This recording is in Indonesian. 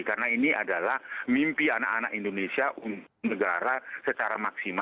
karena ini adalah mimpi anak anak indonesia untuk negara secara maksimal